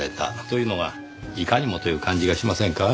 というのがいかにもという感じがしませんか？